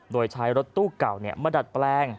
โดยใช้รถตู้เก่ามาดัดแปลง